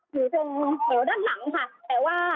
อยู่ตรงแถวด้านหลังค่ะแต่ว่า